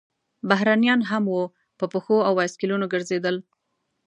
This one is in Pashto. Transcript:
بهرنیان هم وو، په پښو او بایسکلونو ګرځېدل.